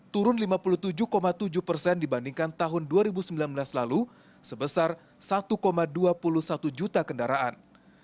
turun lima puluh tujuh tujuh persen dibandingkan tahun dua ribu sembilan belas lalu sebesar satu dua puluh satu juta kendaraan